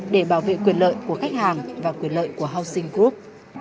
để bảo vệ quyền lợi của khách hàng và quyền lợi của houseng group